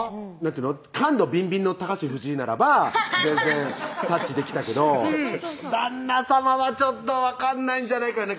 感度ビンビンのタカシフジイならば全然察知できたけどうん旦那さまはちょっと分かんないんじゃないかな